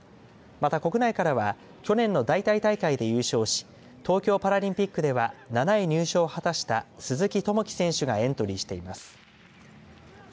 また、国内からは去年の代替大会で優勝し東京パラリンピックでは７位入賞を果たした鈴木朋樹選手がエントリーしています。